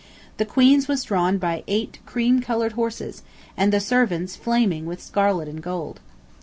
The Queen's was drawn by eight cream colored horses, and the servants flaming with scarlet and gold.